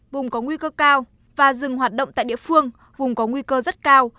vùng có nguy cơ cao và dừng hoạt động tại địa phương vùng có nguy cơ rất cao